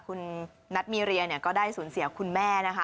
คุณนัทมีเรียก็ได้สูญเสียคุณแม่นะคะ